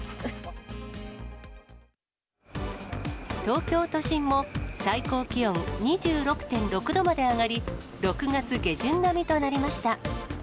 東京都心も、最高気温２６．６度まで上がり、６月下旬並みとなりました。